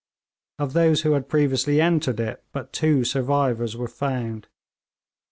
Of those who had previously entered it but two survivors were found.